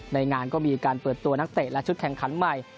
ในงานก็มีการเปิดตัวนักเตะและชุดแข่งขันใหม่